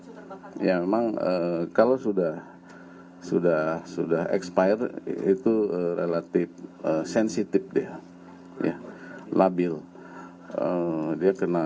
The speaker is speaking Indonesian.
ya memang kalau sudah sudah sudah expired itu relatif sensitif dia ya labil dia kena